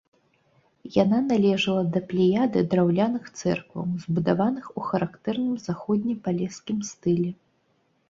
Яна належала да плеяды драўляных цэркваў, збудаваных у характэрным заходнепалескім стылі.